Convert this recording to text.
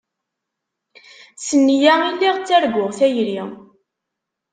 S nneyya i lliɣ ttarguɣ tayri.